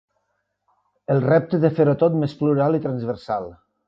El repte de fer-ho tot més plural i transversal.